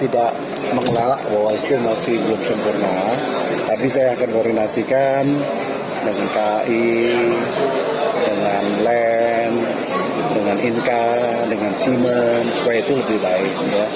dengan siemens semua itu lebih baik